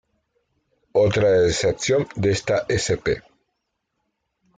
Otra excepción de esta sp.